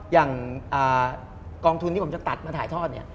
อย่างกองทุนที่ผมจะตัดมาถ่ายทอดเนี่ย